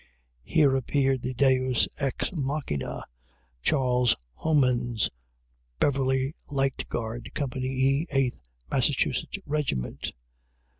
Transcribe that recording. Here appeared the deus ex machina, Charles Homans, Beverly Light Guard, Company E, Eighth Massachusetts Regiment.